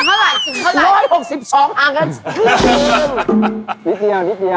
นิดเดียวนิดเดียว